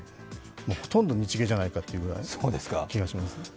ほとんど日芸じゃないかという気がします。